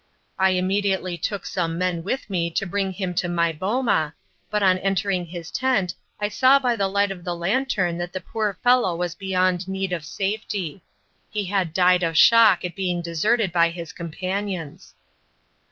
I immediately took some men with me to bring him to my boma, but on entering his tent I saw by the light of the lantern that the poor fellow was beyond need of safety. He had died of shock at being deserted by his companions.